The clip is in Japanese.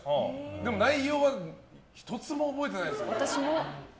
でも、内容は１つも覚えてないですね。